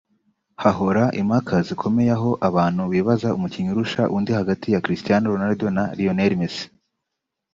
hahora impaka zikomeye aho abantu bibaza umukinnyi urusha undi hagati ya Cristiano Ronaldo na Lionel Messi